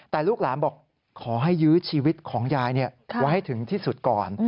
แต่ลูกหลานบอกขอให้ยื้อชีวิตของยายไว้ให้ถึงที่สุดก่อน